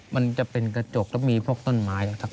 มันจะเป็นกระจกก็มีพวกต้นไม้